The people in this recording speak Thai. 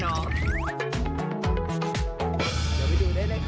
เดี๋ยวไปดูได้เลยค่ะ